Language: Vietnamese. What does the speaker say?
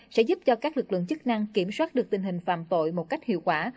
sẽ giúp cho các lực lượng chức năng kiểm soát được tình hình phạm tội một cách hiệu quả